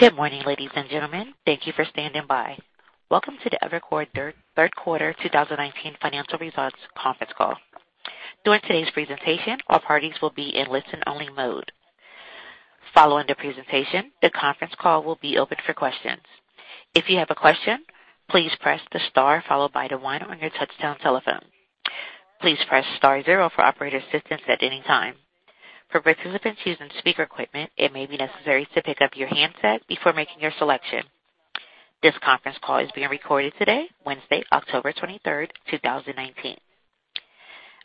Good morning, ladies and gentlemen. Thank you for standing by. Welcome to the Evercore third quarter 2019 financial results conference call. During today's presentation, all parties will be in listen-only mode. Following the presentation, the conference call will be open for questions. If you have a question, please press the star followed by the one on your touchtone telephone. Please press star zero for operator assistance at any time. For participants using speaker equipment, it may be necessary to pick up your handset before making your selection. This conference call is being recorded today, Wednesday, October 23rd, 2019.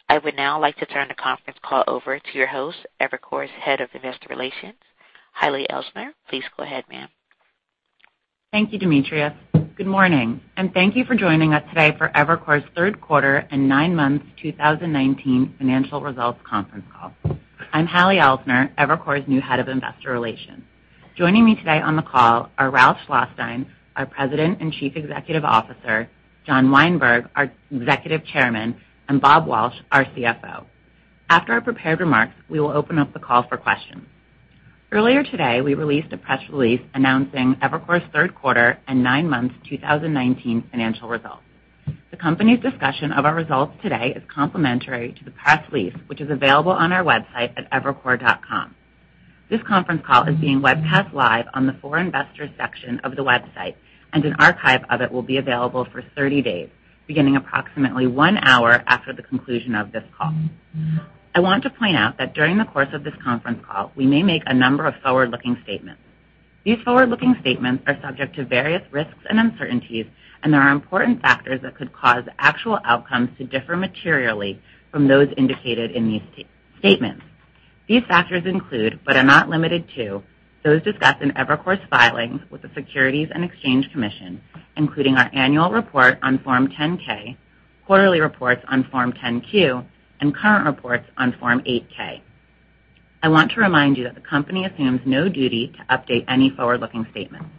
I would now like to turn the conference call over to your host, Evercore's Head of Investor Relations, Hallie Miller. Please go ahead, ma'am. Thank you, Demetria. Good morning. Thank you for joining us today for Evercore's third quarter and nine months 2019 financial results conference call. I'm Hallie Miller, Evercore's new Head of Investor Relations. Joining me today on the call are Ralph Schlosstein, our President and Chief Executive Officer, John Weinberg, our Executive Chairman, and Bob Walsh, our CFO. After our prepared remarks, we will open up the call for questions. Earlier today, we released a press release announcing Evercore's third quarter and nine months 2019 financial results. The company's discussion of our results today is complementary to the press release, which is available on our website at evercore.com. This conference call is being webcast live on the For Investors section of the website, and an archive of it will be available for 30 days, beginning approximately one hour after the conclusion of this call. I want to point out that during the course of this conference call, we may make a number of forward-looking statements. These forward-looking statements are subject to various risks and uncertainties, and there are important factors that could cause actual outcomes to differ materially from those indicated in these statements. These factors include, but are not limited to, those discussed in Evercore's filings with the Securities and Exchange Commission, including our annual report on Form 10-K, quarterly reports on Form 10-Q, and current reports on Form 8-K. I want to remind you that the company assumes no duty to update any forward-looking statements.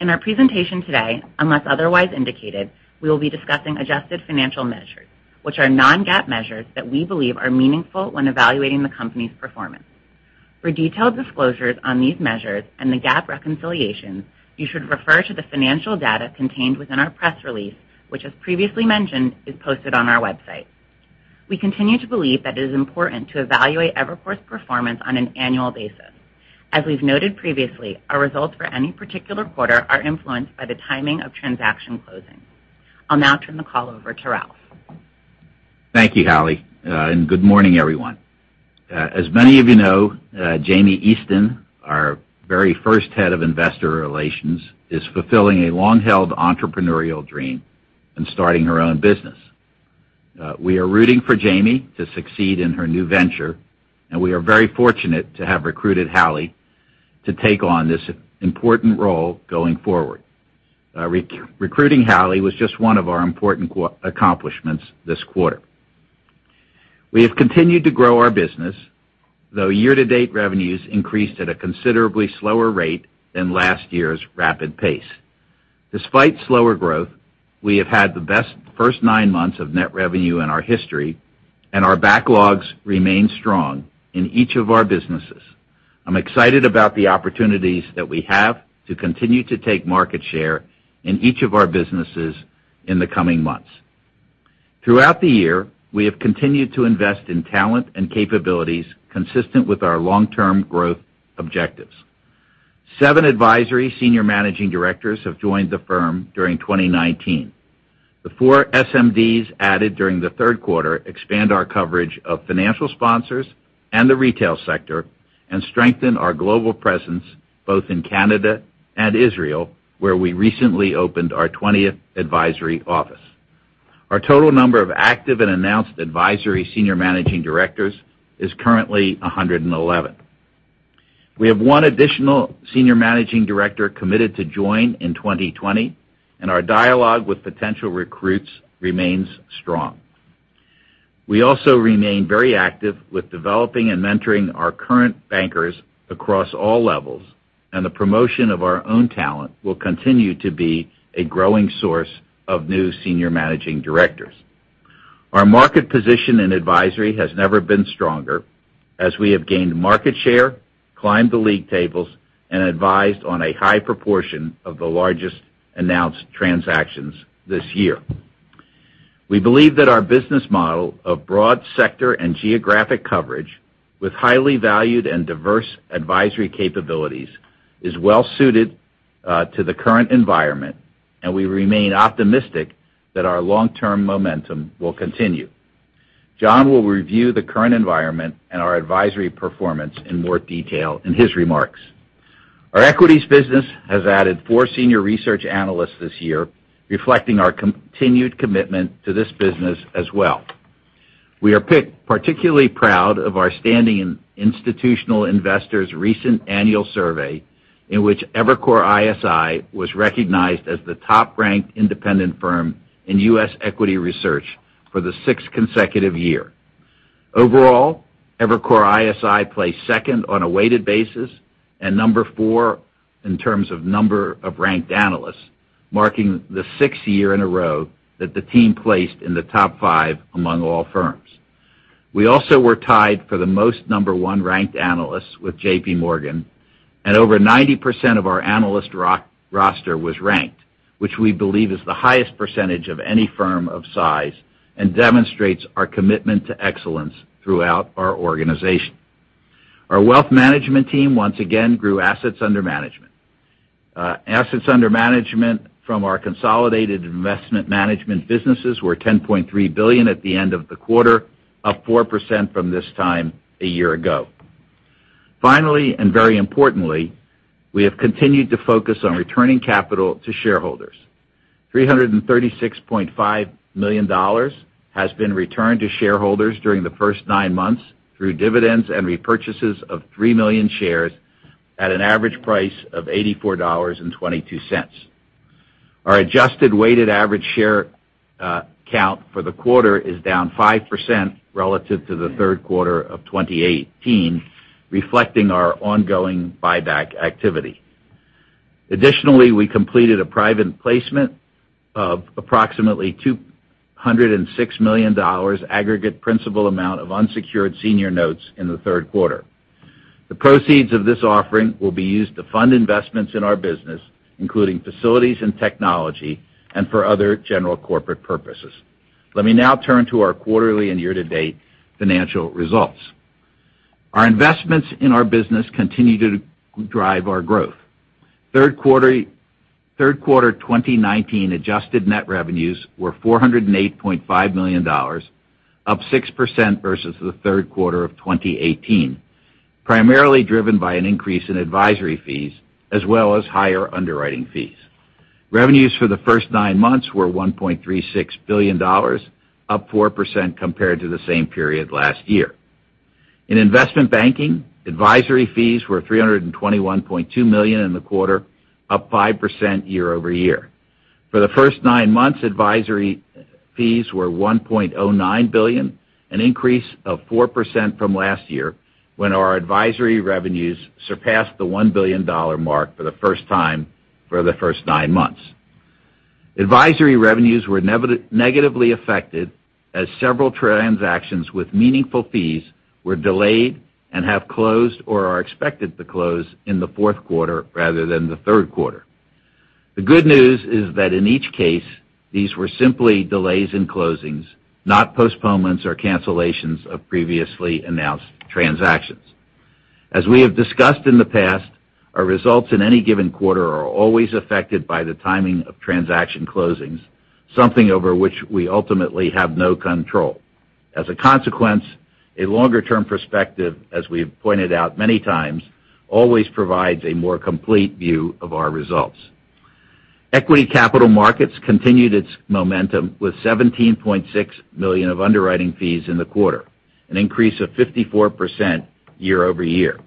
In our presentation today, unless otherwise indicated, we will be discussing adjusted financial measures, which are non-GAAP measures that we believe are meaningful when evaluating the company's performance. For detailed disclosures on these measures and the GAAP reconciliations, you should refer to the financial data contained within our press release, which, as previously mentioned, is posted on our website. We continue to believe that it is important to evaluate Evercore's performance on an annual basis. As we've noted previously, our results for any particular quarter are influenced by the timing of transaction closings. I'll now turn the call over to Ralph. Thank you, Hallie, and good morning, everyone. As many of you know, Jamie Easton, our very first Head of Investor Relations, is fulfilling a long-held entrepreneurial dream and starting her own business. We are rooting for Jamie to succeed in her new venture, and we are very fortunate to have recruited Hallie to take on this important role going forward. Recruiting Hallie was just one of our important accomplishments this quarter. We have continued to grow our business, though year-to-date revenues increased at a considerably slower rate than last year's rapid pace. Despite slower growth, we have had the best first nine months of net revenue in our history, and our backlogs remain strong in each of our businesses. I'm excited about the opportunities that we have to continue to take market share in each of our businesses in the coming months. Throughout the year, we have continued to invest in talent and capabilities consistent with our long-term growth objectives. seven Advisory Senior Managing Directors have joined the firm during 2019. The four SMDs added during the third quarter expand our coverage of financial sponsors and the retail sector and strengthen our global presence both in Canada and Israel, where we recently opened our 20th advisory office. Our total number of active and announced Advisory Senior Managing Directors is currently 111. We have one additional Senior Managing Director committed to join in 2020, and our dialogue with potential recruits remains strong. We also remain very active with developing and mentoring our current bankers across all levels, and the promotion of our own talent will continue to be a growing source of new Senior Managing Directors. Our market position in advisory has never been stronger, as we have gained market share, climbed the league tables, and advised on a high proportion of the largest announced transactions this year. We believe that our business model of broad sector and geographic coverage with highly valued and diverse advisory capabilities is well-suited to the current environment, and we remain optimistic that our long-term momentum will continue. John will review the current environment and our advisory performance in more detail in his remarks. Our equities business has added four senior research analysts this year, reflecting our continued commitment to this business as well. We are particularly proud of our standing in Institutional Investor's recent annual survey, in which Evercore ISI was recognized as the top-ranked independent firm in U.S. equity research for the sixth consecutive year. Overall, Evercore ISI placed 2nd on a weighted basis and number 4 in terms of number of ranked analysts, marking the 6th year in a row that the team placed in the top 5 among all firms. We also were tied for the most number 1 ranked analysts with JPMorgan, and over 90% of our analyst roster was ranked, which we believe is the highest percentage of any firm of size and demonstrates our commitment to excellence throughout our organization. Our wealth management team once again grew assets under management. Assets under management from our consolidated investment management businesses were $10.3 billion at the end of the quarter, up 4% from this time a year ago. Finally, and very importantly, we have continued to focus on returning capital to shareholders. $336.5 million has been returned to shareholders during the first nine months through dividends and repurchases of 3 million shares at an average price of $84.22. Our adjusted weighted average share count for the quarter is down 5% relative to the third quarter of 2018, reflecting our ongoing buyback activity. Additionally, we completed a private placement of approximately $206 million aggregate principal amount of unsecured senior notes in the third quarter. The proceeds of this offering will be used to fund investments in our business, including facilities and technology, and for other general corporate purposes. Let me now turn to our quarterly and year-to-date financial results. Our investments in our business continue to drive our growth. Third quarter 2019 adjusted net revenues were $408.5 million, up 6% versus the third quarter of 2018, primarily driven by an increase in advisory fees as well as higher underwriting fees. Revenues for the first nine months were $1.36 billion, up 4% compared to the same period last year. In investment banking, advisory fees were $321.2 million in the quarter, up 5% year-over-year. For the first nine months, advisory fees were $1.09 billion, an increase of 4% from last year when our advisory revenues surpassed the $1 billion mark for the first time for the first nine months. Advisory revenues were negatively affected as several transactions with meaningful fees were delayed and have closed or are expected to close in the fourth quarter rather than the third quarter. The good news is that in each case, these were simply delays in closings, not postponements or cancellations of previously announced transactions. As we have discussed in the past, our results in any given quarter are always affected by the timing of transaction closings, something over which we ultimately have no control. As a consequence, a longer-term perspective, as we've pointed out many times, always provides a more complete view of our results. Equity capital markets continued its momentum with $17.6 million of underwriting fees in the quarter, an increase of 54% year-over-year.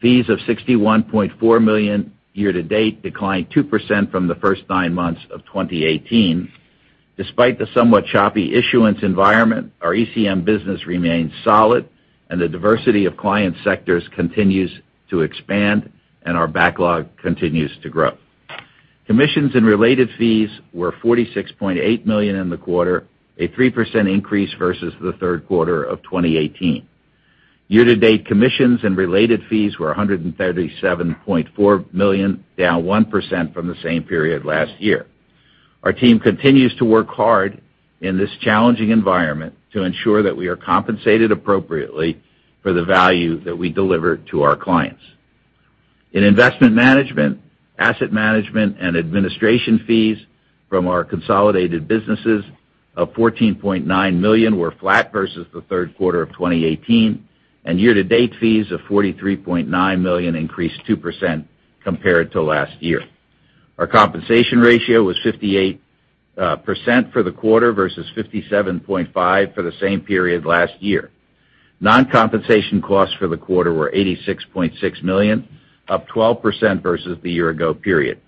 Fees of $61.4 million year-to-date declined 2% from the first nine months of 2018. Despite the somewhat choppy issuance environment, our ECM business remains solid and the diversity of client sectors continues to expand and our backlog continues to grow. Commissions and related fees were $46.8 million in the quarter, a 3% increase versus the third quarter of 2018. Year-to-date commissions and related fees were $137.4 million, down 1% from the same period last year. Our team continues to work hard in this challenging environment to ensure that we are compensated appropriately for the value that we deliver to our clients. In investment management, asset management and administration fees from our consolidated businesses of $14.9 million were flat versus the third quarter of 2018, and year-to-date fees of $43.9 million increased 2% compared to last year. Our compensation ratio was 58% for the quarter versus 57.5% for the same period last year. Non-compensation costs for the quarter were $86.6 million, up 12% versus the year ago period.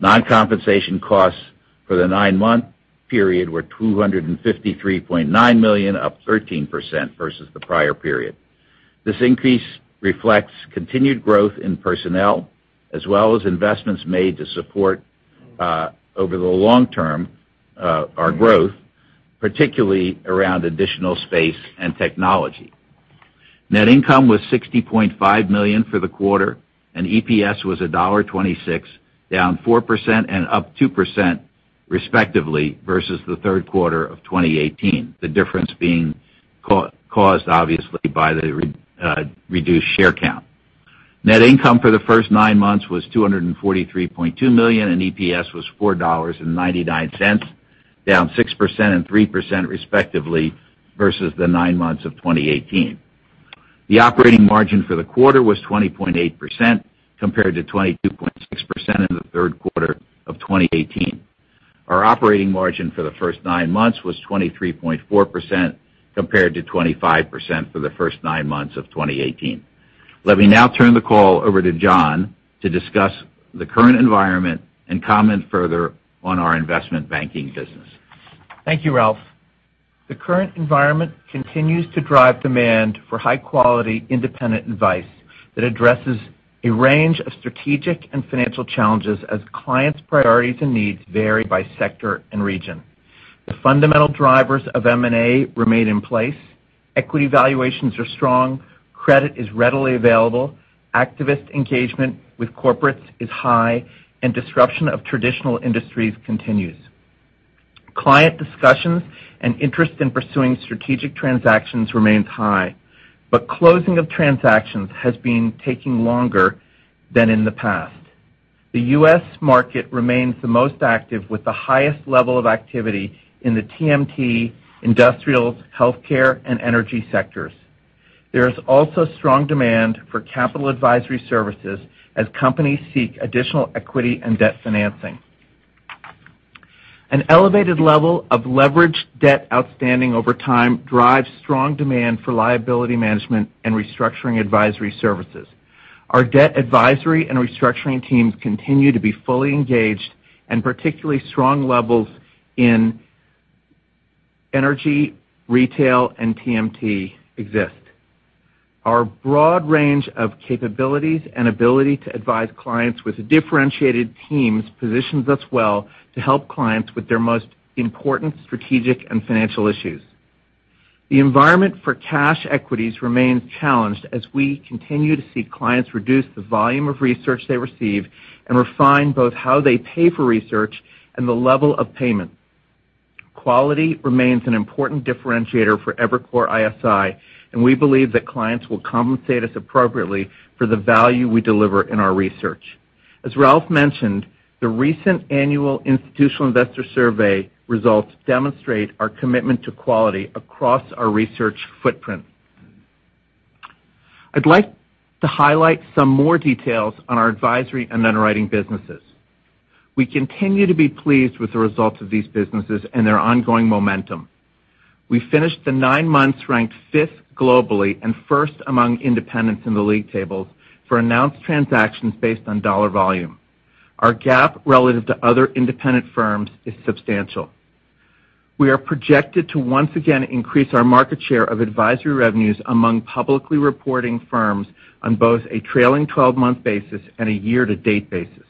Non-compensation costs for the nine-month period were $253.9 million, up 13% versus the prior period. This increase reflects continued growth in personnel, as well as investments made to support, over the long term, our growth, particularly around additional space and technology. Net income was $60.5 million for the quarter, and EPS was $1.26, down 4% and up 2% respectively versus the third quarter of 2018. The difference being caused obviously by the reduced share count. Net income for the first 9 months was $243.2 million, and EPS was $4.99, down 6% and 3% respectively versus the 9 months of 2018. The operating margin for the quarter was 20.8% compared to 22.6% in the third quarter of 2018. Our operating margin for the first 9 months was 23.4% compared to 25% for the first 9 months of 2018. Let me now turn the call over to John to discuss the current environment and comment further on our investment banking business. Thank you, Ralph. The current environment continues to drive demand for high-quality, independent advice that addresses a range of strategic and financial challenges as clients' priorities and needs vary by sector and region. The fundamental drivers of M&A remain in place. Equity valuations are strong, credit is readily available, activist engagement with corporates is high, and disruption of traditional industries continues. Client discussions and interest in pursuing strategic transactions remains high, but closing of transactions has been taking longer than in the past. The U.S. market remains the most active with the highest level of activity in the TMT, industrials, healthcare, and energy sectors. There is also strong demand for capital advisory services as companies seek additional equity and debt financing. An elevated level of leveraged debt outstanding over time drives strong demand for liability management and restructuring advisory services. Our debt advisory and restructuring teams continue to be fully engaged and particularly strong levels in energy, retail, and TMT exist. Our broad range of capabilities and ability to advise clients with differentiated teams positions us well to help clients with their most important strategic and financial issues. The environment for cash equities remains challenged as we continue to see clients reduce the volume of research they receive and refine both how they pay for research and the level of payment. Quality remains an important differentiator for Evercore ISI, and we believe that clients will compensate us appropriately for the value we deliver in our research. As Ralph mentioned, the recent annual Institutional Investor survey results demonstrate our commitment to quality across our research footprint. I'd like to highlight some more details on our advisory and underwriting businesses. We continue to be pleased with the results of these businesses and their ongoing momentum. We finished the nine months ranked fifth globally and first among independents in the league table for announced transactions based on dollar volume. Our GAAP relative to other independent firms is substantial. We are projected to once again increase our market share of advisory revenues among publicly reporting firms on both a trailing 12-month basis and a year-to-date basis.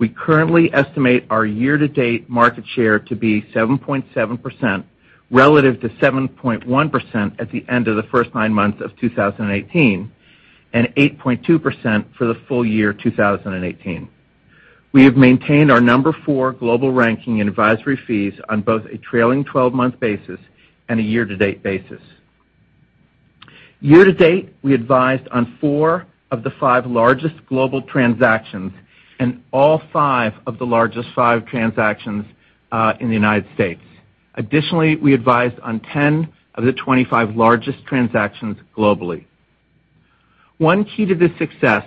We currently estimate our year-to-date market share to be 7.7%, relative to 7.1% at the end of the first nine months of 2018, and 8.2% for the full year 2018. We have maintained our number four global ranking in advisory fees on both a trailing 12-month basis and a year-to-date basis. Year-to-date, we advised on four of the five largest global transactions and all five of the largest five transactions in the U.S. Additionally, we advised on 10 of the 25 largest transactions globally. One key to this success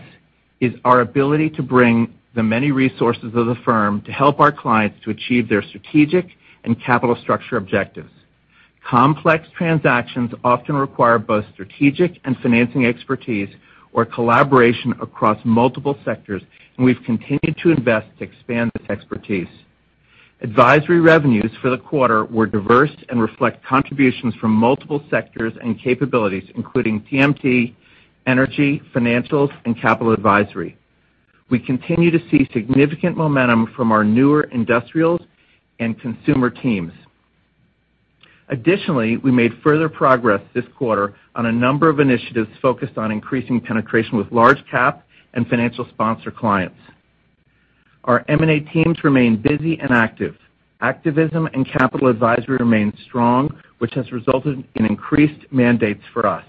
is our ability to bring the many resources of the firm to help our clients to achieve their strategic and capital structure objectives. Complex transactions often require both strategic and financing expertise or collaboration across multiple sectors, and we've continued to invest to expand this expertise. Advisory revenues for the quarter were diverse and reflect contributions from multiple sectors and capabilities, including TMT, energy, financials, and capital advisory. We continue to see significant momentum from our newer industrials and consumer teams. Additionally, we made further progress this quarter on a number of initiatives focused on increasing penetration with large cap and financial sponsor clients. Our M&A teams remain busy and active. Activism and capital advisory remain strong, which has resulted in increased mandates for us.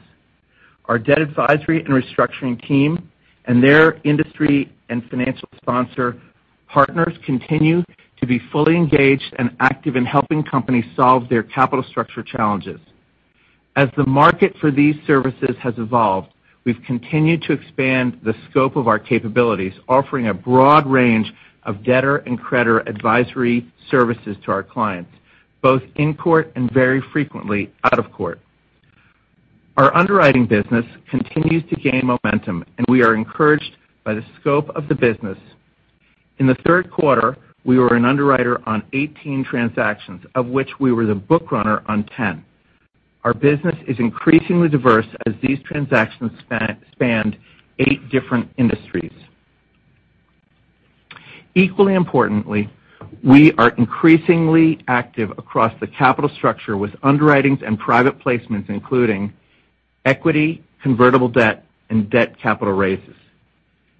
Our debt advisory and restructuring team and their industry and financial sponsor partners continue to be fully engaged and active in helping companies solve their capital structure challenges. As the market for these services has evolved, we've continued to expand the scope of our capabilities, offering a broad range of debtor and creditor advisory services to our clients, both in court and very frequently out of court. Our underwriting business continues to gain momentum, we are encouraged by the scope of the business. In the third quarter, we were an underwriter on 18 transactions, of which we were the book runner on 10. Our business is increasingly diverse as these transactions spanned eight different industries. Equally importantly, we are increasingly active across the capital structure with underwritings and private placements, including equity, convertible debt, and debt capital raises.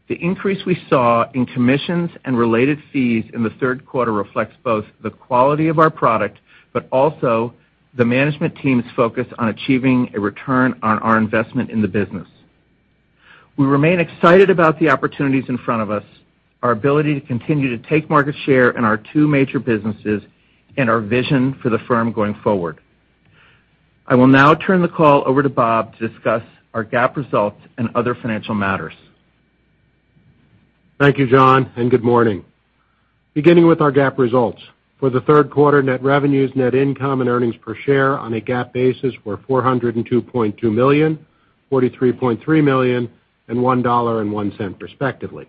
The increase we saw in commissions and related fees in the third quarter reflects both the quality of our product but also the management team's focus on achieving a return on our investment in the business. We remain excited about the opportunities in front of us, our ability to continue to take market share in our two major businesses, and our vision for the firm going forward. I will now turn the call over to Bob to discuss our GAAP results and other financial matters. Thank you, John, and good morning. Beginning with our GAAP results. For the third quarter, net revenues, net income, and earnings per share on a GAAP basis were $402.2 million, $43.3 million, and $1.01 respectively.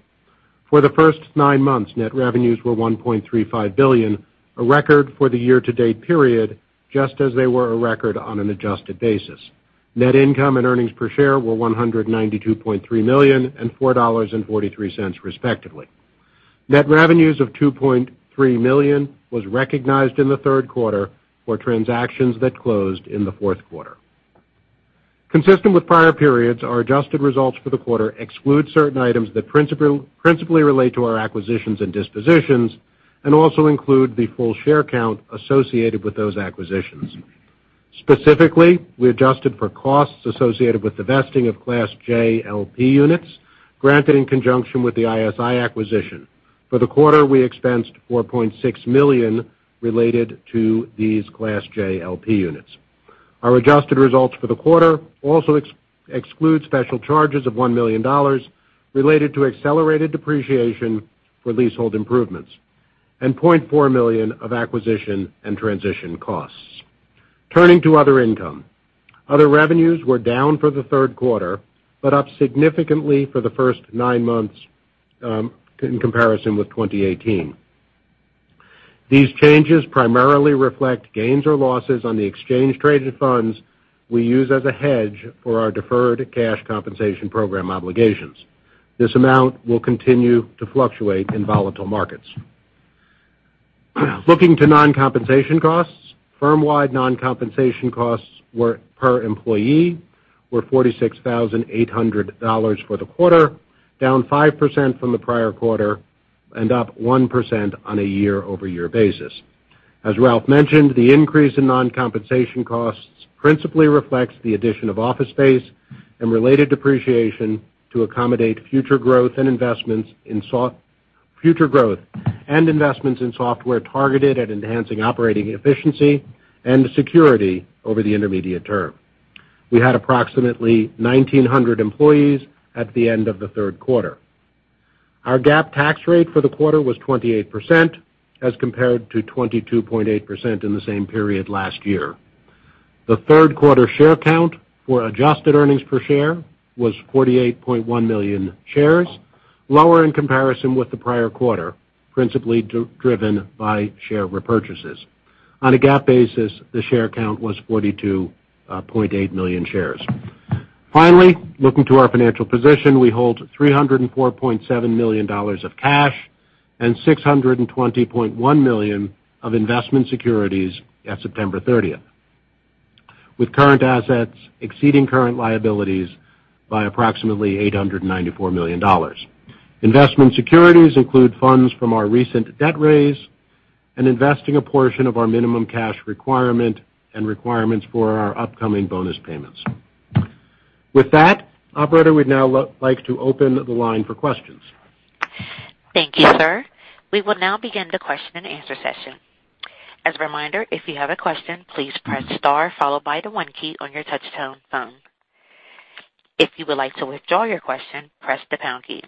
For the first nine months, net revenues were $1.35 billion, a record for the year-to-date period, just as they were a record on an adjusted basis. Net income and earnings per share were $192.3 million and $4.43 respectively. Net revenues of $2.3 million was recognized in the third quarter for transactions that closed in the fourth quarter. Consistent with prior periods, our adjusted results for the quarter exclude certain items that principally relate to our acquisitions and dispositions and also include the full share count associated with those acquisitions. Specifically, we adjusted for costs associated with the vesting of Class J LP units granted in conjunction with the ISI acquisition. For the quarter, we expensed $4.6 million related to these Class J LP units. Our adjusted results for the quarter also exclude special charges of $1 million related to accelerated depreciation for leasehold improvements and $0.4 million of acquisition and transition costs. Turning to other income. Other revenues were down for the third quarter, but up significantly for the first nine months in comparison with 2018. These changes primarily reflect gains or losses on the exchange-traded funds we use as a hedge for our deferred cash compensation program obligations. This amount will continue to fluctuate in volatile markets. Looking to non-compensation costs. Firm-wide non-compensation costs per employee were $46,800 for the quarter, down 5% from the prior quarter and up 1% on a year-over-year basis. As Ralph mentioned, the increase in non-compensation costs principally reflects the addition of office space and related depreciation to accommodate future growth and investments in software targeted at enhancing operating efficiency and security over the intermediate term. We had approximately 1,900 employees at the end of the third quarter. Our GAAP tax rate for the quarter was 28%, as compared to 22.8% in the same period last year. The third quarter share count for adjusted earnings per share was 48.1 million shares, lower in comparison with the prior quarter, principally driven by share repurchases. On a GAAP basis, the share count was 42.8 million shares. Finally, looking to our financial position, we hold $304.7 million of cash and $620.1 million of investment securities at September 30th, with current assets exceeding current liabilities by approximately $894 million. Investment securities include funds from our recent debt raise and investing a portion of our minimum cash requirement and requirements for our upcoming bonus payments. With that, operator, we'd now like to open the line for questions. Thank you, sir. We will now begin the question and answer session. As a reminder, if you have a question, please press star followed by the one key on your touch-tone phone. If you would like to withdraw your question, press the pound key.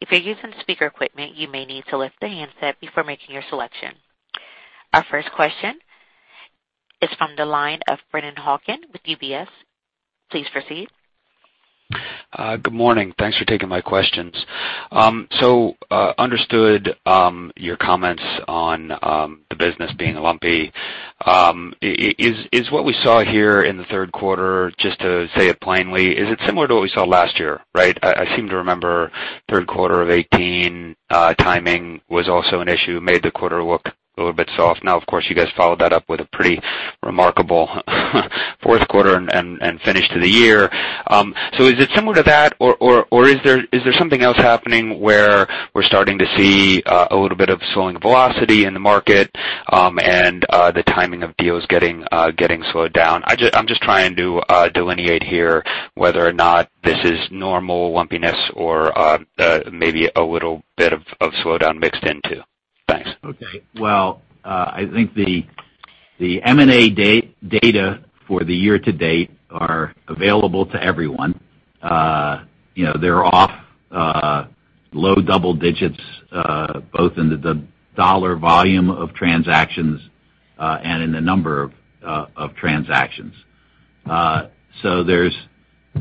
If you're using speaker equipment, you may need to lift the handset before making your selection. Our first question is from the line of Brennan Hawken with UBS. Please proceed. Good morning. Thanks for taking my questions. Understood your comments on the business being lumpy. Is what we saw here in the third quarter, just to say it plainly, is it similar to what we saw last year, right? I seem to remember third quarter of 2018, timing was also an issue, made the quarter look a little bit soft. Of course, you guys followed that up with a pretty remarkable fourth quarter and finish to the year. Is it similar to that, or is there something else happening where we're starting to see a little bit of slowing velocity in the market and the timing of deals getting slowed down? I'm just trying to delineate here whether or not this is normal lumpiness or maybe a little bit of slowdown mixed in too. Thanks. Well, I think the M&A data for the year to date are available to everyone. They're off low double digits, both in the $ volume of transactions and in the number of transactions. There's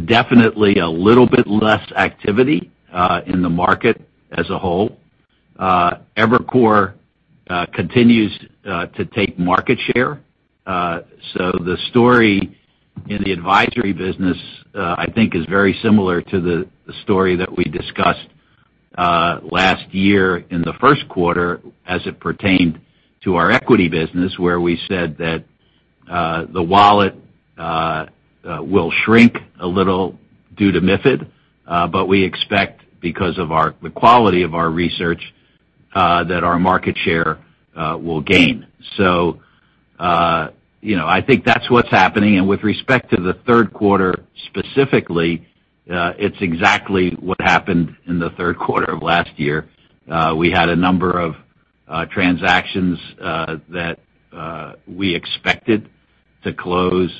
definitely a little bit less activity in the market as a whole. Evercore continues to take market share. The story in the advisory business, I think, is very similar to the story that we discussed last year in the first quarter as it pertained to our equity business where we said that the wallet will shrink a little due to MiFID, but we expect because of the quality of our research, that our market share will gain. I think that's what's happening. With respect to the third quarter specifically, it's exactly what happened in the third quarter of last year. We had a number of transactions that we expected to close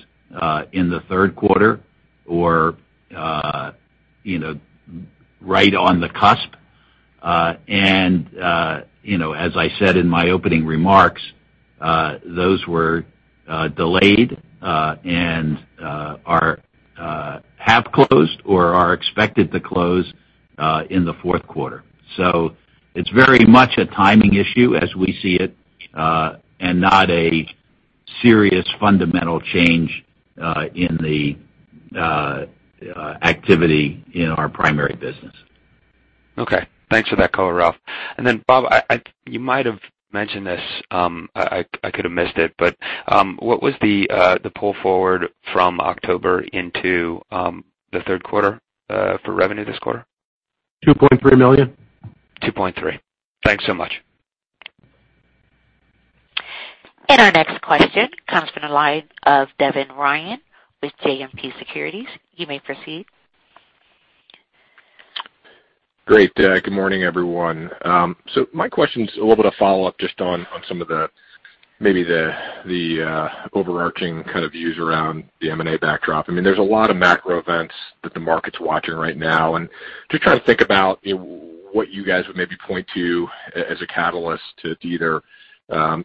in the third quarter or right on the cusp. As I said in my opening remarks. Those were delayed and have closed or are expected to close in the fourth quarter. It's very much a timing issue as we see it, and not a serious fundamental change in the activity in our primary business. Okay. Thanks for that color, Ralph. Bob, you might have mentioned this. I could have missed it, what was the pull forward from October into the third quarter for revenue this quarter? $2.3 million. Thanks so much. Our next question comes from the line of Devin Ryan with JMP Securities. You may proceed. Great. Good morning, everyone. My question's a little bit of follow-up just on some of maybe the overarching kind of views around the M&A backdrop. There's a lot of macro events that the market's watching right now, and just trying to think about what you guys would maybe point to as a catalyst to either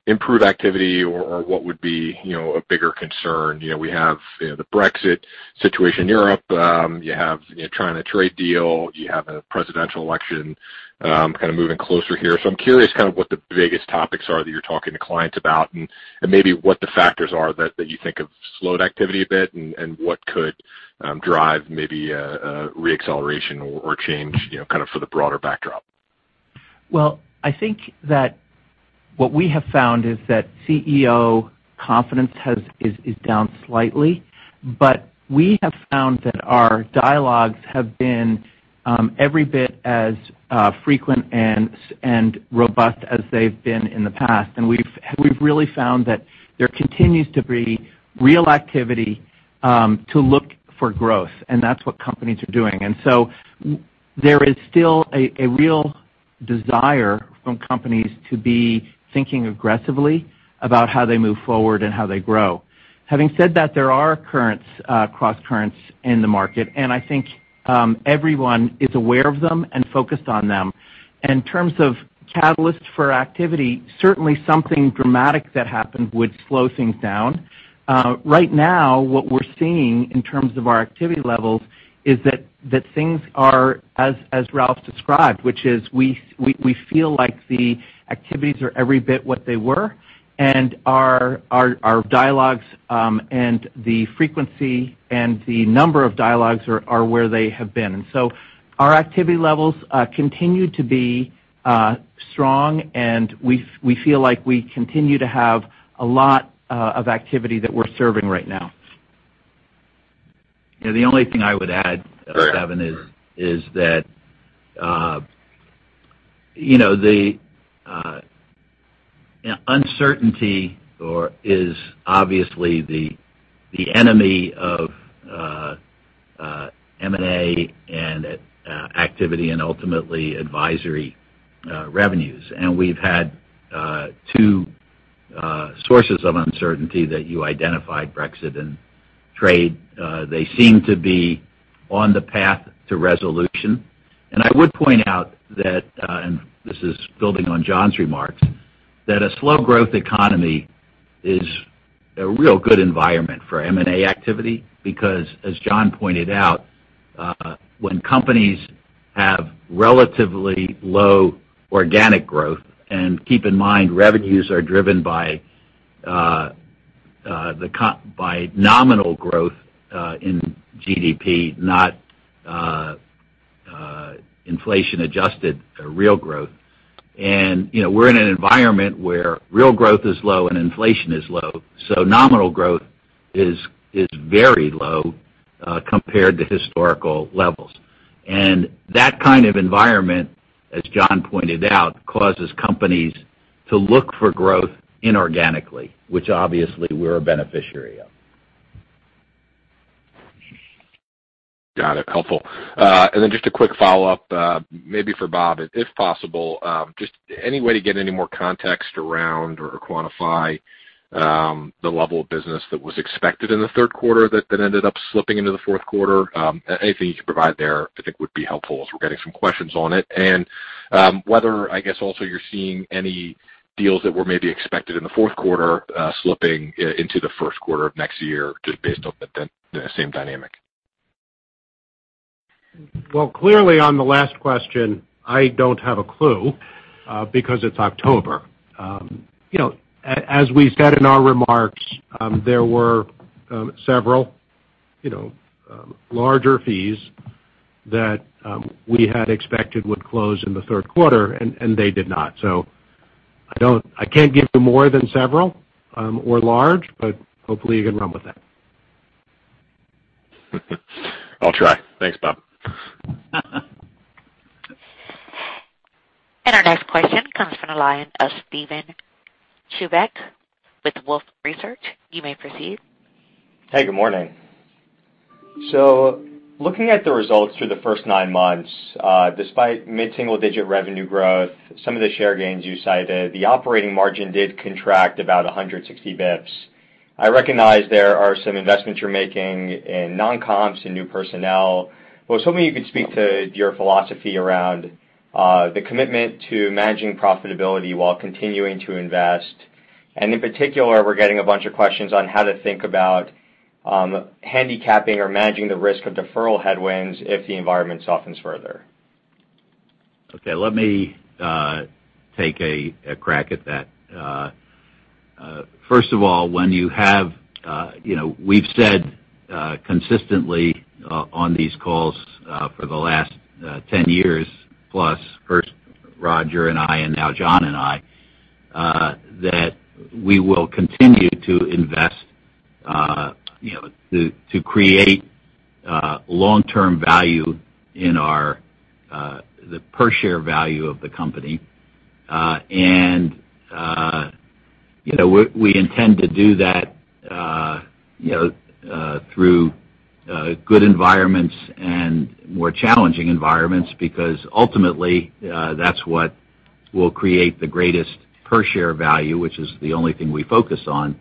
improve activity or what would be a bigger concern. We have the Brexit situation in Europe, you have China trade deal, you have a presidential election kind of moving closer here. I'm curious kind of what the biggest topics are that you're talking to clients about, and maybe what the factors are that you think have slowed activity a bit, and what could drive maybe a re-acceleration or change for the broader backdrop. Well, I think that what we have found is that CEO confidence is down slightly, but we have found that our dialogues have been every bit as frequent and robust as they've been in the past. We've really found that there continues to be real activity to look for growth, and that's what companies are doing. There is still a real desire from companies to be thinking aggressively about how they move forward and how they grow. Having said that, there are cross-currents in the market, and I think everyone is aware of them and focused on them. In terms of catalysts for activity, certainly something dramatic that happened would slow things down. Right now, what we're seeing in terms of our activity levels is that things are as Ralph described, which is we feel like the activities are every bit what they were, and our dialogues and the frequency and the number of dialogues are where they have been. Our activity levels continue to be strong, and we feel like we continue to have a lot of activity that we're serving right now. The only thing I would add, Devin, is that the uncertainty is obviously the enemy of M&A and activity and ultimately advisory revenues. We've had two sources of uncertainty that you identified, Brexit and trade. They seem to be on the path to resolution. I would point out that, and this is building on John's remarks, that a slow-growth economy is a real good environment for M&A activity because, as John pointed out, when companies have relatively low organic growth, and keep in mind, revenues are driven by nominal growth in GDP, not inflation-adjusted real growth. We're in an environment where real growth is low and inflation is low, so nominal growth is very low compared to historical levels. That kind of environment, as John pointed out, causes companies to look for growth inorganically, which obviously we're a beneficiary of. Got it. Helpful. Just a quick follow-up, maybe for Bob, if possible, just any way to get any more context around or quantify the level of business that was expected in the third quarter that then ended up slipping into the fourth quarter? Anything you can provide there I think would be helpful as we're getting some questions on it. Whether, I guess also, you're seeing any deals that were maybe expected in the fourth quarter slipping into the first quarter of next year, just based on the same dynamic. Well, clearly on the last question, I don't have a clue because it's October. As we said in our remarks, there were several larger fees that we had expected would close in the third quarter, and they did not. I can't give you more than several or large, but hopefully you can run with that. I'll try. Thanks, Bob. Our next question comes from the line of Steven Chubak with Wolfe Research. You may proceed. Hey, good morning. Looking at the results through the first nine months, despite mid-single-digit revenue growth, some of the share gains you cited, the operating margin did contract about 160 basis points. I recognize there are some investments you're making in non-comps and new personnel. I was hoping you could speak to your philosophy around the commitment to managing profitability while continuing to invest. In particular, we're getting a bunch of questions on how to think about handicapping or managing the risk of deferral headwinds if the environment softens further. Let me take a crack at that. First of all, we've said consistently on these calls for the last 10 years plus, first Roger and I, and now John and I, that we will continue to invest to create long-term value in the per share value of the company. We intend to do that through good environments and more challenging environments, because ultimately, that's what will create the greatest per share value, which is the only thing we focus on,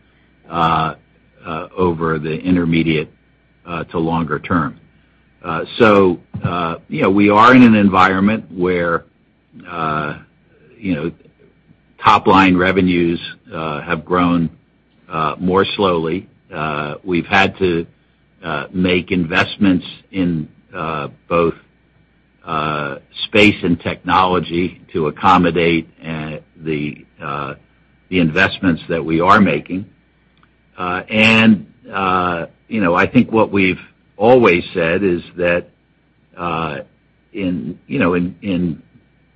over the intermediate to longer term. We are in an environment where top-line revenues have grown more slowly. We've had to make investments in both space and technology to accommodate the investments that we are making. I think what we've always said is that in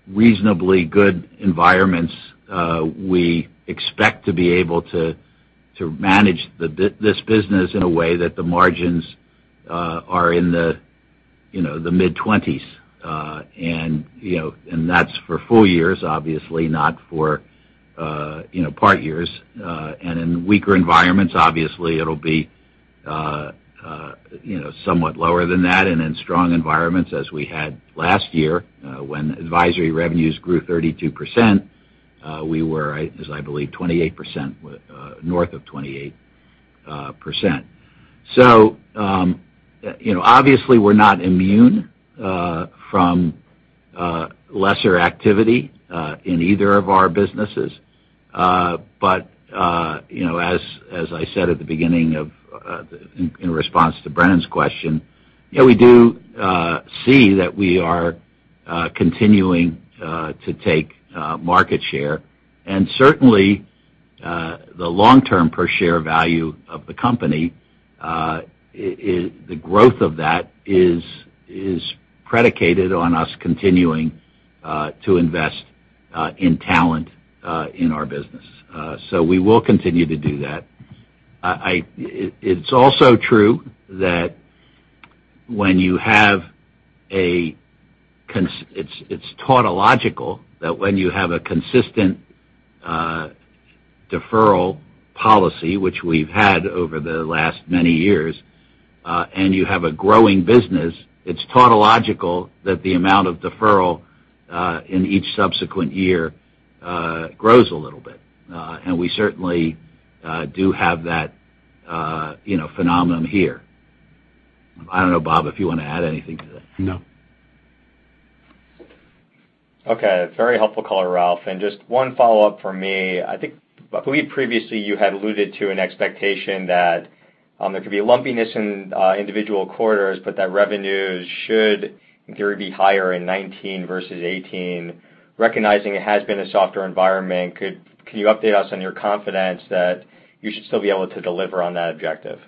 reasonably good environments, we expect to be able to manage this business in a way that the margins are in the mid-20s. That's for full years, obviously, not for part years. In weaker environments, obviously, it'll be somewhat lower than that. In strong environments, as we had last year when advisory revenues grew 32%, we were, as I believe, north of 28%. Obviously, we're not immune from lesser activity in either of our businesses. As I said at the beginning in response to Brennan's question, we do see that we are continuing to take market share. Certainly, the long-term per share value of the company, the growth of that is predicated on us continuing to invest in talent in our business. We will continue to do that. It's tautological that when you have a consistent deferral policy, which we've had over the last many years, and you have a growing business, it's tautological that the amount of deferral in each subsequent year grows a little bit. We certainly do have that phenomenon here. I don't know, Bob, if you want to add anything to that. No. Okay. Very helpful color, Ralph. Just one follow-up from me. I believe previously you had alluded to an expectation that there could be a lumpiness in individual quarters, but that revenues should be higher in 2019 versus 2018. Recognizing it has been a softer environment, can you update us on your confidence that you should still be able to deliver on that objective?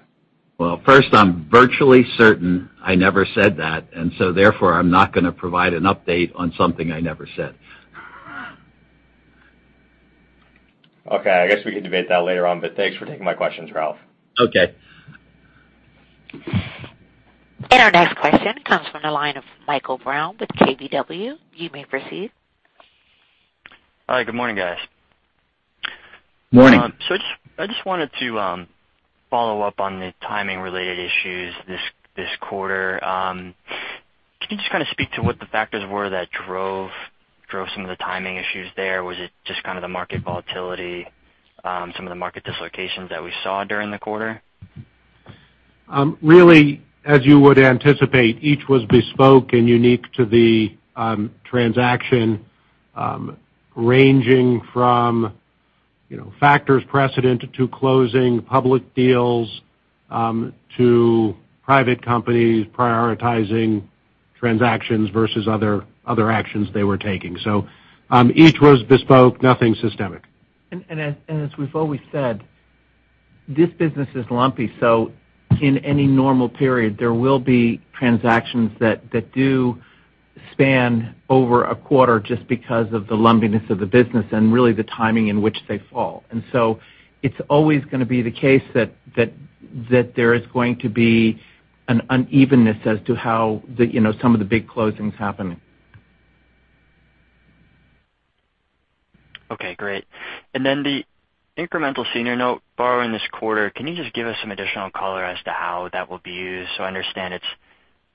Well, first, I'm virtually certain I never said that, and so therefore, I'm not going to provide an update on something I never said. Okay, I guess we can debate that later on, but thanks for taking my questions, Ralph. Okay. Our next question comes from the line of Michael Brown with KBW. You may proceed. Hi. Good morning, guys. Morning. I just wanted to follow up on the timing-related issues this quarter. Can you just speak to what the factors were that drove some of the timing issues there? Was it just the market volatility, some of the market dislocations that we saw during the quarter? Really, as you would anticipate, each was bespoke and unique to the transaction, ranging from factors precedent to closing public deals to private companies prioritizing transactions versus other actions they were taking. Each was bespoke, nothing systemic. As we've always said, this business is lumpy. In any normal period, there will be transactions that do span over a quarter just because of the lumpiness of the business and really the timing in which they fall. It's always going to be the case that there is going to be an unevenness as to how some of the big closings happen. Okay, great. The incremental senior note borrowing this quarter, can you just give us some additional color as to how that will be used? I understand it's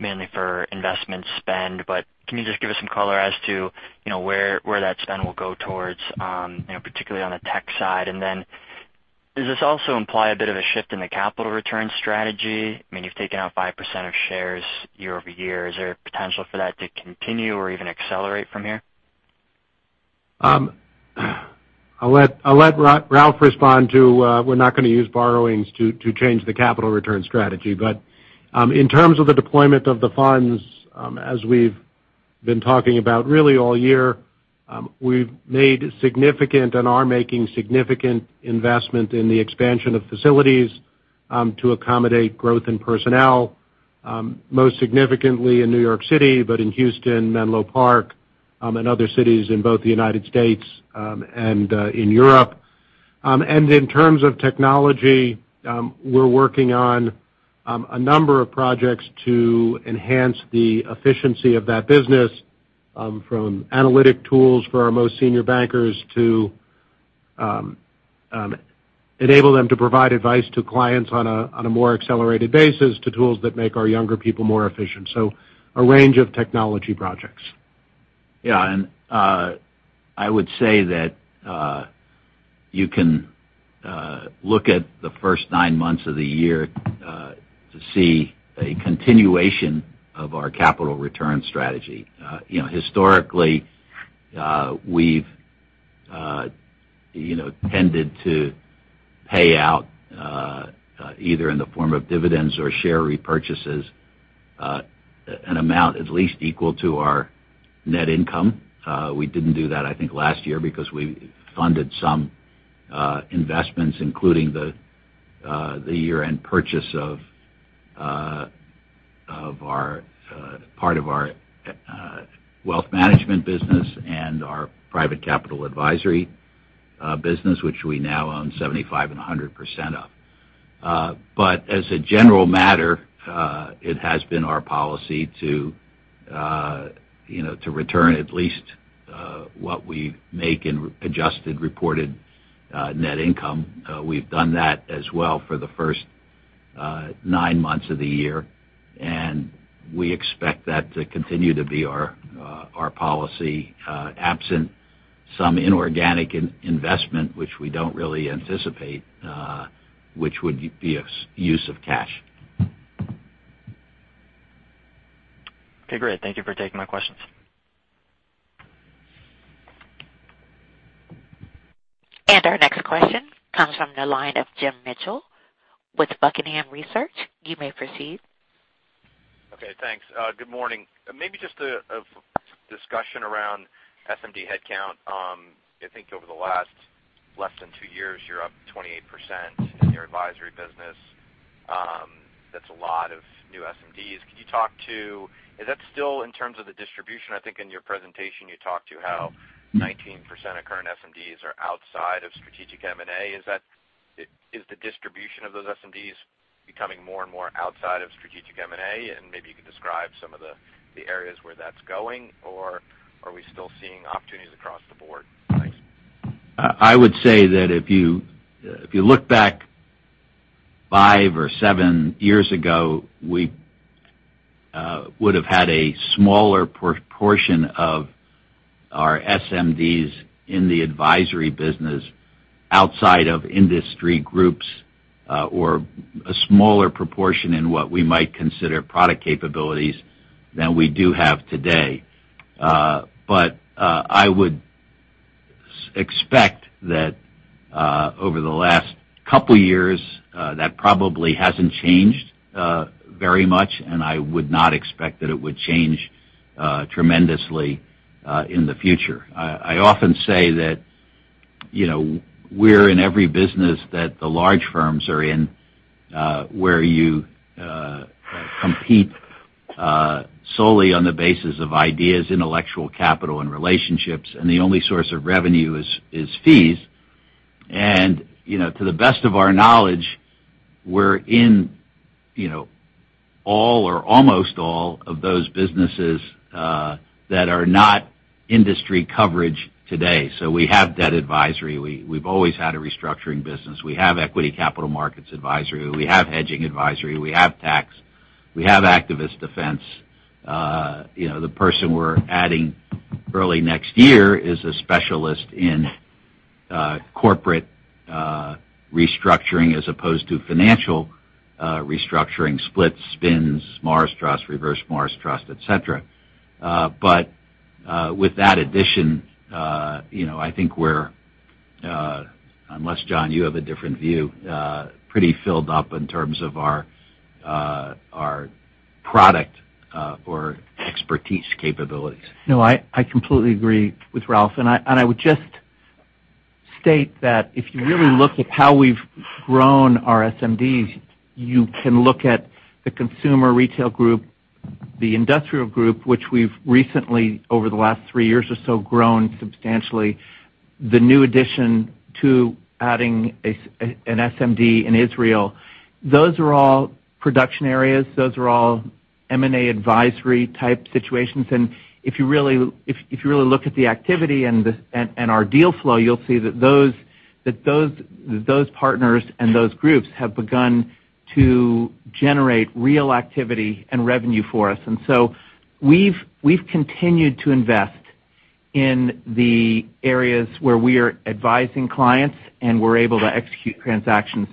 mainly for investment spend. Can you just give us some color as to where that spend will go towards, particularly on the tech side? Does this also imply a bit of a shift in the capital return strategy? I mean, you've taken out 5% of shares year-over-year. Is there a potential for that to continue or even accelerate from here? I'll let Ralph respond to. We're not going to use borrowings to change the capital return strategy. In terms of the deployment of the funds, as we've been talking about really all year, we've made significant and are making significant investment in the expansion of facilities to accommodate growth in personnel, most significantly in New York City, but in Houston, Menlo Park, and other cities in both the United States and in Europe. In terms of technology, we're working on a number of projects to enhance the efficiency of that business, from analytic tools for our most senior bankers to enable them to provide advice to clients on a more accelerated basis, to tools that make our younger people more efficient, a range of technology projects. Yeah. I would say that you can look at the first nine months of the year to see a continuation of our capital return strategy. Historically, we've tended to pay out, either in the form of dividends or share repurchases, an amount at least equal to our net income. We didn't do that, I think, last year because we funded some investments, including the year-end purchase of part of our wealth management business and our private capital advisory business, which we now own 75 and 100% of. As a general matter, it has been our policy to return at least what we make in adjusted reported net income. We've done that as well for the first nine months of the year, and we expect that to continue to be our policy, absent some inorganic investment, which we don't really anticipate, which would be use of cash. Okay, great. Thank you for taking my questions. Our next question comes from the line of Jim Mitchell with Buckingham Research. You may proceed. Okay. Thanks. Good morning. Maybe just a discussion around SMD headcount. I think over the last less than two years, you're up 28% in your advisory business. That's a lot of new SMDs. Is that still in terms of the distribution? I think in your presentation you talked to how 19% of current SMDs are outside of strategic M&A. Is the distribution of those SMDs becoming more and more outside of strategic M&A? Maybe you could describe some of the areas where that's going, or are we still seeing opportunities across the board? Thanks. I would say that if you look back five or seven years ago, we would have had a smaller proportion of our SMDs in the advisory business outside of industry groups, or a smaller proportion in what we might consider product capabilities than we do have today. I would expect that over the last couple of years, that probably hasn't changed very much, and I would not expect that it would change tremendously in the future. I often say that we're in every business that the large firms are in where you compete solely on the basis of ideas, intellectual capital, and relationships, the only source of revenue is fees. To the best of our knowledge, we're in all or almost all of those businesses that are not industry coverage today. We have debt advisory. We've always had a restructuring business. We have equity capital markets advisory. We have hedging advisory. We have tax. We have activist defense. The person we're adding early next year is a specialist in corporate restructuring as opposed to financial restructuring, splits, spins, Morris Trust, Reverse Morris Trust, et cetera. With that addition, I think we're, unless, John, you have a different view, pretty filled up in terms of our product or expertise capabilities. No, I completely agree with Ralph, and I would just state that if you really look at how we've grown our SMDs, you can look at the consumer retail group, the industrial group, which we've recently, over the last three years or so, grown substantially. The new addition to adding an SMD in Israel. Those are all production areas. Those are all M&A advisory type situations. If you really look at the activity and our deal flow, you'll see that those partners and those groups have begun to generate real activity and revenue for us. So we've continued to invest in the areas where we are advising clients, and we're able to execute transactions.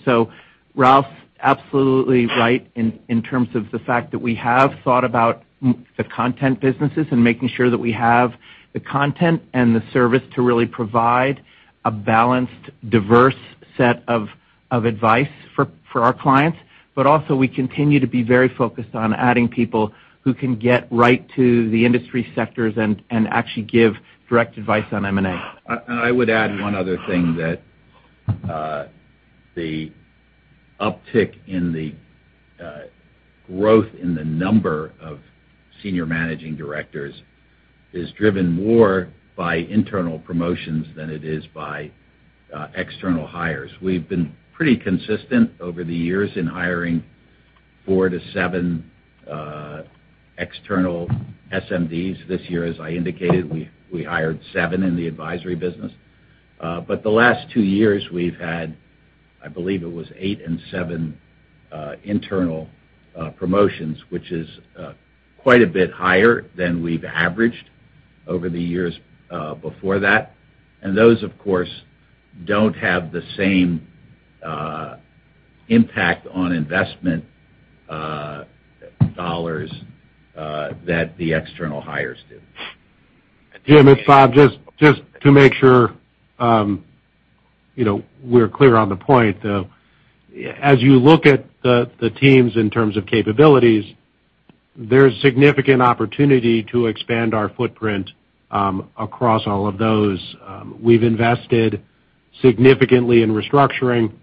Ralph's absolutely right in terms of the fact that we have thought about the content businesses and making sure that we have the content and the service to really provide a balanced, diverse set of advice for our clients. Also, we continue to be very focused on adding people who can get right to the industry sectors and actually give direct advice on M&A. I would add one other thing that the uptick in the growth in the number of senior managing directors is driven more by internal promotions than it is by external hires. We've been pretty consistent over the years in hiring four to seven external SMDs. This year, as I indicated, we hired seven in the advisory business. The last two years we've had, I believe it was eight and seven internal promotions, which is quite a bit higher than we've averaged over the years before that. Those, of course, don't have the same impact on investment dollars that the external hires do. Jim, it's Bob. To make sure we're clear on the point, as you look at the teams in terms of capabilities, there's significant opportunity to expand our footprint across all of those. We've invested significantly in restructuring.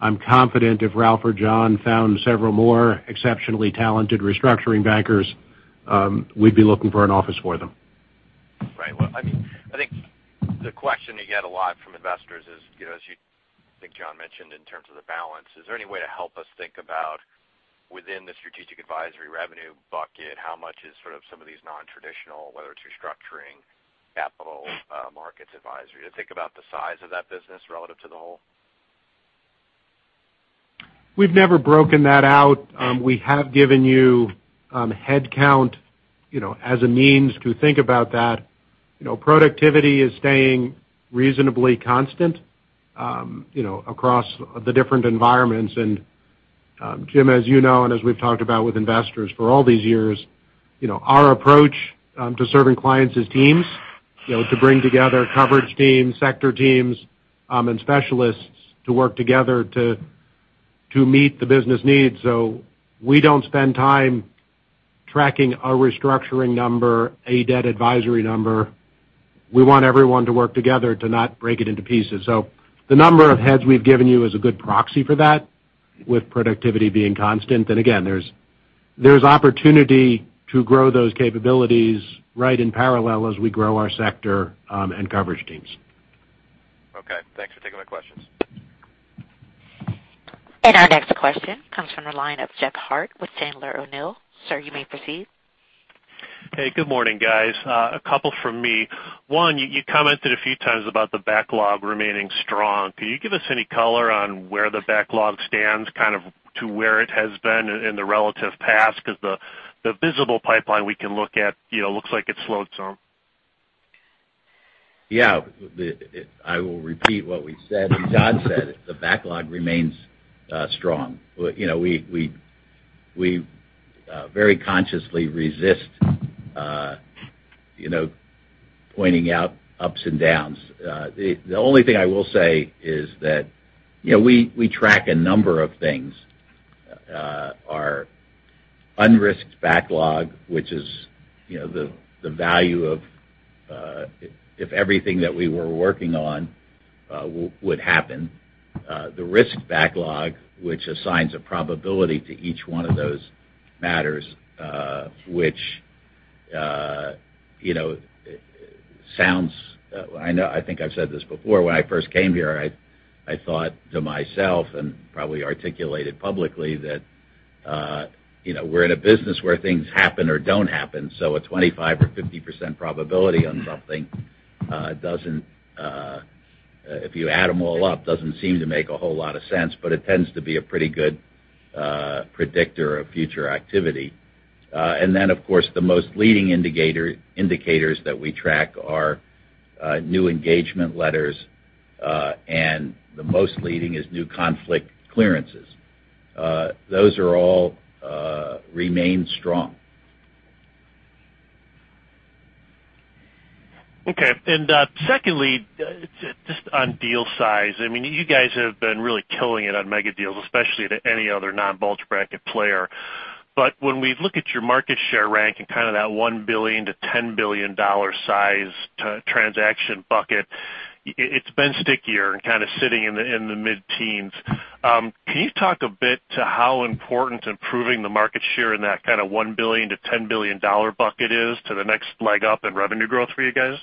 I'm confident if Ralph or John found several more exceptionally talented restructuring bankers, we'd be looking for an office for them. Right. Well, I think the question you get a lot from investors is, as I think John mentioned, in terms of the balance, is there any way to help us think about within the strategic advisory revenue bucket, how much is sort of some of these non-traditional, whether it's restructuring, capital markets advisory, to think about the size of that business relative to the whole? We've never broken that out. We have given you headcount as a means to think about that. Productivity is staying reasonably constant across the different environments. Jim, as you know, and as we've talked about with investors for all these years, our approach to serving clients is teams. To bring together coverage teams, sector teams, and specialists to work together to meet the business needs. We don't spend time tracking a restructuring number, a debt advisory number. We want everyone to work together to not break it into pieces. The number of heads we've given you is a good proxy for that, with productivity being constant. Again, there's opportunity to grow those capabilities right in parallel as we grow our sector and coverage teams. Okay. Thanks for taking my questions. Our next question comes from the line of Jeffery Harte with Sandler O'Neill. Sir, you may proceed. Hey, good morning, guys. A couple from me. One, you commented a few times about the backlog remaining strong. Can you give us any color on where the backlog stands, kind of to where it has been in the relative past? The visible pipeline we can look at looks like it's slowed some. Yeah. I will repeat what we've said and John said. The backlog remains strong. We very consciously resist pointing out ups and downs. The only thing I will say is that we track a number of things. Our unrisked backlog, which is the value of if everything that we were working on would happen. The risked backlog, which assigns a probability to each one of those matters. I think I've said this before when I first came here, I thought to myself, and probably articulated publicly, that we're in a business where things happen or don't happen. A 25% or 50% probability on something, if you add them all up, doesn't seem to make a whole lot of sense, but it tends to be a pretty good predictor of future activity. Of course, the most leading indicators that we track are new engagement letters, and the most leading is new conflict clearances. Those all remain strong. Okay. Secondly, just on deal size, you guys have been really killing it on mega deals, especially to any other non-bulge bracket player. When we look at your market share rank and kind of that $1 billion-$10 billion size transaction bucket, it's been stickier and kind of sitting in the mid-teens. Can you talk a bit to how important improving the market share in that kind of $1 billion-$10 billion bucket is to the next leg up in revenue growth for you guys?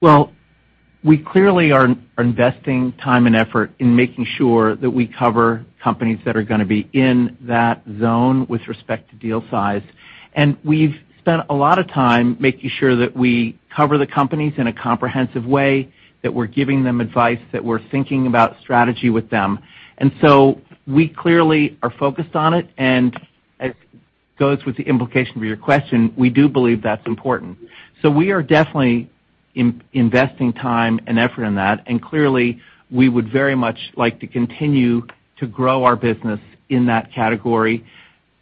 Well, we clearly are investing time and effort in making sure that we cover companies that are going to be in that zone with respect to deal size. We've spent a lot of time making sure that we cover the companies in a comprehensive way, that we're giving them advice, that we're thinking about strategy with them. We clearly are focused on it, and as goes with the implication of your question, we do believe that's important. We are definitely investing time and effort in that, and clearly, we would very much like to continue to grow our business in that category.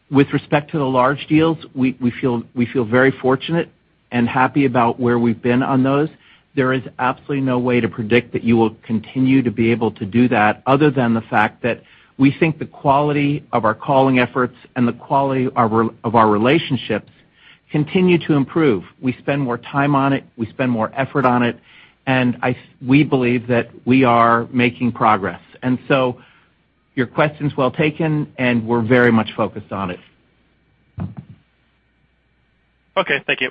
With respect to the large deals, we feel very fortunate and happy about where we've been on those. There is absolutely no way to predict that you will continue to be able to do that other than the fact that we think the quality of our calling efforts and the quality of our relationships continue to improve. We spend more time on it, we spend more effort on it, and we believe that we are making progress. Your question's well taken, and we're very much focused on it. Okay. Thank you.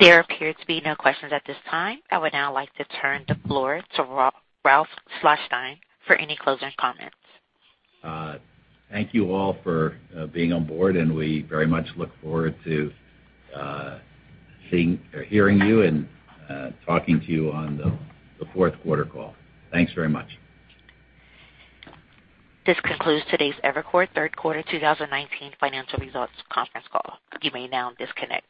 There appear to be no questions at this time. I would now like to turn the floor to Ralph Schlosstein for any closing comments. Thank you all for being on board, and we very much look forward to seeing or hearing you and talking to you on the fourth-quarter call. Thanks very much. This concludes today's Evercore Third Quarter 2019 Financial Results Conference Call. You may now disconnect.